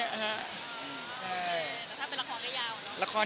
ขอบคุณทุกคนมากไถมันจะเป็นละครยะยาวละคร